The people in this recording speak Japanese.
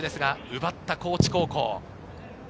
奪った高知高校。